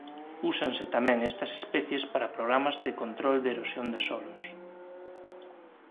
Úsanse tamén estas especies para programas de control de erosión de solos.